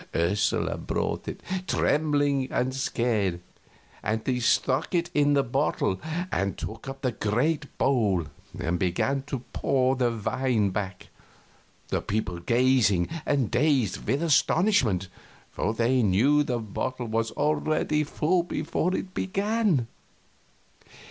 Ursula brought it, trembling and scared, and he stuck it in the bottle and took up the great bowl and began to pour the wine back, the people gazing and dazed with astonishment, for they knew the bottle was already full before he began.